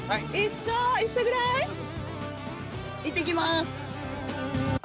いってきます。